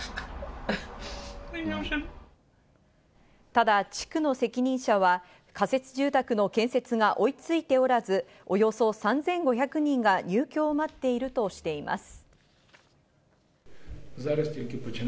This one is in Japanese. ただ、地区の責任者は仮設住宅の建設が追いついておらず、およそ３５００人が入居を待っているとしています。